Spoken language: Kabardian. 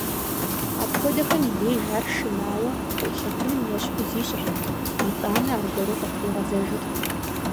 Апхуэдэхэм и деж ар шынауэ къыӀулъэтыным ещхьу зищӀырт, итӀанэ аргуэру къытригъэзэжырт.